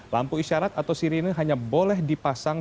lampu isyarat atau sirine hanya boleh dipasang